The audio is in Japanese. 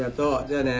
じゃあね。